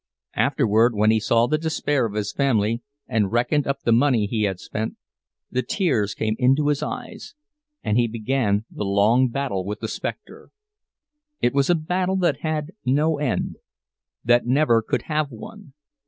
Afterward, when he saw the despair of his family, and reckoned up the money he had spent, the tears came into his eyes, and he began the long battle with the specter. It was a battle that had no end, that never could have one.